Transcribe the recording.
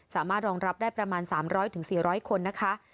สามารถรองรับได้ประมาณ๓๐๐๔๐๐คนนะคะ